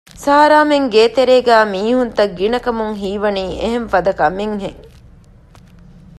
ސާރާމެން ގޭތެރޭގައި މީހުންތައް ގިނަކަމުން ހީވަނީ އެހެން ފަދަ ކަމެއް ހެން